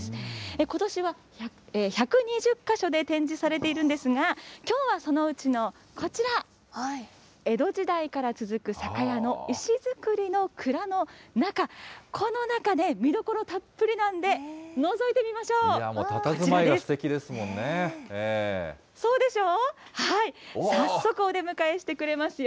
ことしは１２０か所で展示されているんですが、きょうはそのうちのこちら、江戸時代から続く酒屋の石造りの蔵の中、この中ね、見どころたっぷりなんで、いやもう、たたずまいがすてそうでしょう、早速お出迎えしてくれますよ。